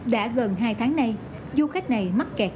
đã gần hai tháng nay du khách này mắc kẹt